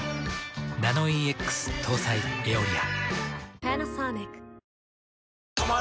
ナノイーＸ搭載「エオリア」。